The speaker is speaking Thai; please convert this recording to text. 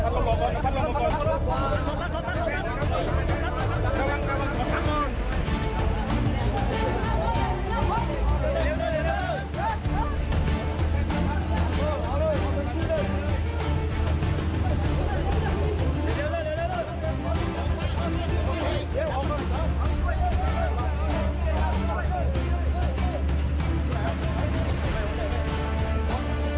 วันนี้คุณผู้ชมไปดูภารกิจนี้สำเร็จรึเปล่านะครับ